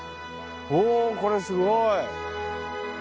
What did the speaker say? おぉこれすごい。